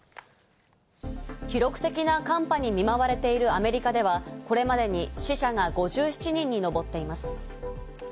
記録的な寒波に見舞われているアメリカではこれまでに死者が５７人に上っています。